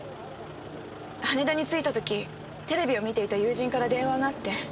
羽田に着いた時テレビを見ていた友人から電話があって。